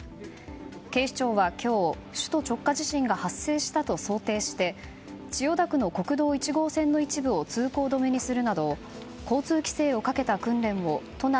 警視庁は今日、首都直下地震が発生したと想定して千代田区の国道１号線の一部を通行止めにするなど交通規制をかけた訓練を都内